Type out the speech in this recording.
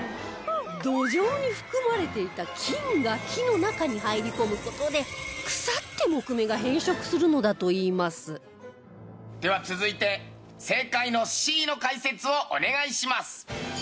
土壌に含まれていた菌が木の中に入り込む事で腐って杢目が変色するのだといいますでは続いて正解の Ｃ の解説をお願いします。